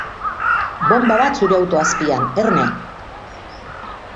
Bonba bat zure auto azpian, erne.